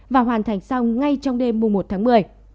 và hoàn thành xong ngay trong đêm mùa một tháng một mươi